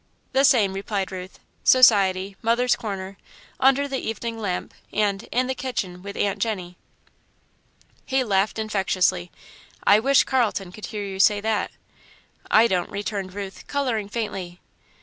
"The same," replied Ruth. "'Society,' 'Mother's Corner,' 'Under the Evening Lamp,' and 'In the Kitchen with Aunt Jenny.'" He laughed infectiously. "I wish Carlton could hear you say that." "I don't," returned Ruth, colouring faintly.